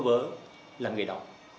vương trọng là người đọc